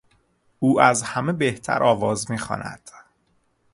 او از همه بهتر آواز میخواند.